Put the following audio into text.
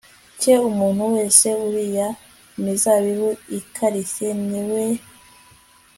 cye umuntu wese uriye imizabibu ikarishye ni we